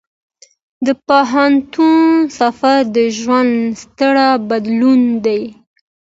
د پوهنتون سفر د ژوند ستر بدلون دی.